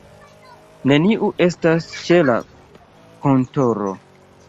Neniu estas ĉe la kontoro.